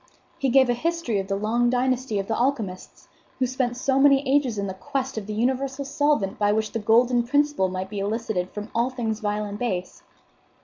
He gave a history of the long dynasty of the alchemists, who spent so many ages in quest of the universal solvent by which the golden principle might be elicited from all things vile and base.